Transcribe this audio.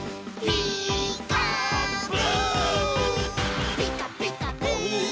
「ピーカーブ！」